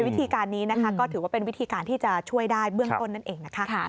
วิธีการนี้นะคะก็ถือว่าเป็นวิธีการที่จะช่วยได้เบื้องต้นนั่นเองนะคะ